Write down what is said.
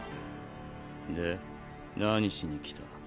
で何しに来た？